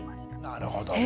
なるほどね。